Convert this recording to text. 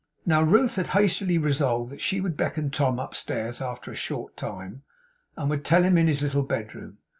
Now Ruth had hastily resolved that she would beckon Tom upstairs after a short time, and would tell him in his little bedroom.